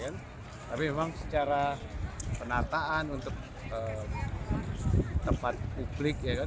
tapi memang secara penataan untuk tempat publik